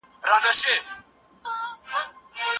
پرېکړه به په ډېرې اسانۍ سره وشي.